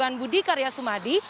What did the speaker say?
menteri perubahan budi karya sumadi